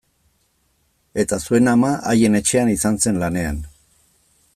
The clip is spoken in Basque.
Eta zuen ama haien etxean izan zen lanean.